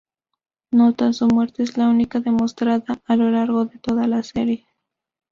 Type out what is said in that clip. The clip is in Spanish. Nota: su muerte es la única demostrada a lo largo de toda la serie.